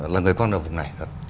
là người quen được vùng này